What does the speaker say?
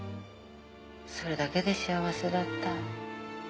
それだけで幸せだった。